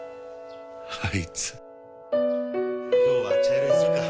あいつ・・・今日は茶色にするか！